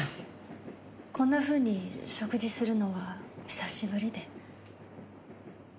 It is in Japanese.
こんなふうに食事するのは久しぶりで。